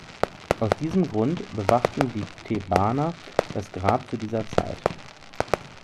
Aus diesem Grund bewachten die Thebaner das Grab zu dieser Zeit.